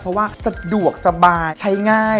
เพราะว่าสะดวกสบายใช้ง่าย